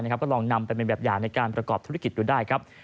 ก็ลองนำไปเป็นแบบอย่างในการประกอบธุรกิจดูได้ครับ